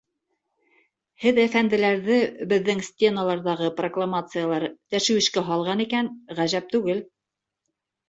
— Һеҙ әфәнделәрҙе беҙҙең стеналарҙағы прокламациялар тәшүишкә һалған икән, ғәжәп түгел.